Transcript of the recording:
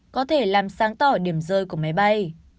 có thể làm sáng tỏ điểm rơi của máy bay